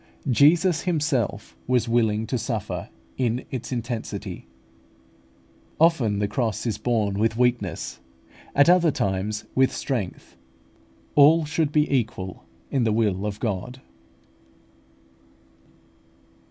Jesus Himself was willing to suffer it in its intensity. Often the cross is borne with weakness, at other times with strength: all should be equal in the will of God.